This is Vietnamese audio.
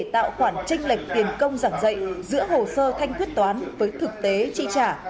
tạo khoản tranh lệch tiền công giảng dạy giữa hồ sơ thanh quyết toán với thực tế chi trả